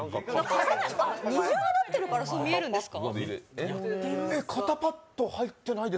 二重になってるからそう見えるんですか？